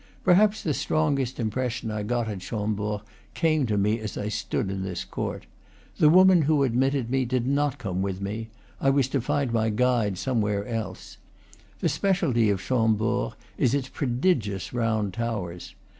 Perhaps the strongest impression I got at Chambord came to me as I stood in this court. The woman who admitted me did not come with me; I was to find my guide somewhere else. The specialty of Chambord is its prodigious round towers.